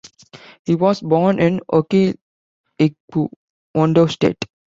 He was born in Oke-Igbo, Ondo State.